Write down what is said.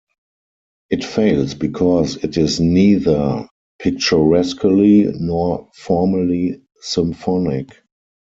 It fails because it is neither picturesquely nor formally symphonic.